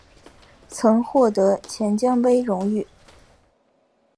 曾获得钱江杯荣誉。